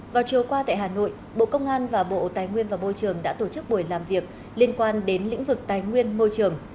vào chiều qua tại hà nội bộ công an và bộ tài nguyên và môi trường đã tổ chức buổi làm việc liên quan đến lĩnh vực tài nguyên môi trường